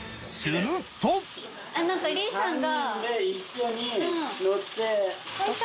何かリさんが。